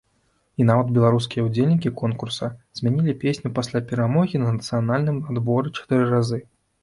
І нават беларускія ўдзельнікі конкурса змянялі песню пасля перамогі на нацыянальным адборы чатыры разы.